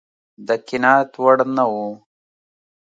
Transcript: د قناعت وړ نه و.